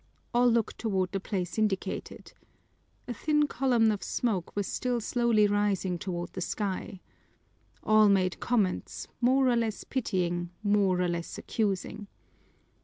All looked toward the place indicated. A thin column of smoke was still slowly rising toward the sky. All made comments, more or less pitying, more or less accusing.